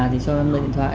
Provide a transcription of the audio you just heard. thì cho em lấy điện thoại